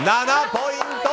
７ポイント！